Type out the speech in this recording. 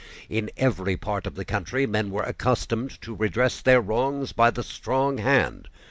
In every part of the country men were accustomed to redress their wrongs by the strong hand.